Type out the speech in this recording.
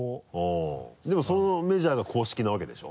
あっでもそのメジャーが公式なわけでしょ？